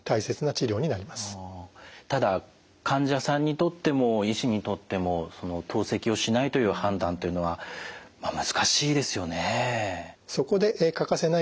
ただ患者さんにとっても医師にとっても透析をしないという判断というのは難しいですよね。